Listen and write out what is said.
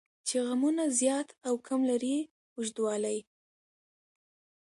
چې غمونه زیات او کم لري اوږدوالی.